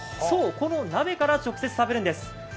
そうこの鍋から直接食べるんです。